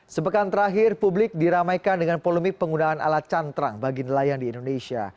sepekan terakhir publik diramaikan dengan polemik penggunaan alat cantrang bagi nelayan di indonesia